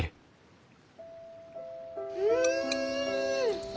うん！